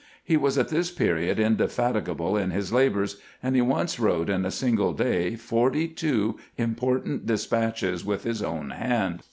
He was at this period indefatigable in his labors, and he once wrote in a single day forty two important de spatches with his own hand.